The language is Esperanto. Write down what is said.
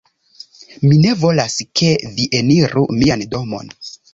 Mi ne volas, ke vi eniru mian domon